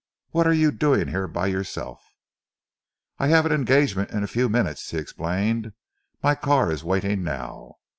What are you doing here by yourself?" "I have an engagement in a few minutes," he explained. "My car is waiting now.